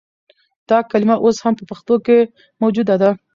دا کلمه اوس هم په پښتو کښې موجوده ده